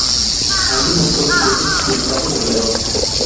Ahí demostró sus dotes y olfato goleador.